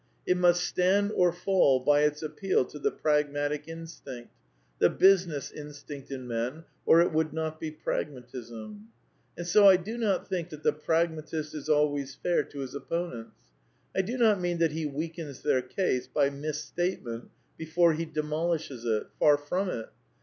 It must stand or fall by its appeal to the pragmatic instinct, the business instinct in men, or it would not be Pragmatism. And so I do not think that the pragmatist is always fair to his opponents. I do not mean that he weakens their case by misstatement before he demolishes it. Far from it.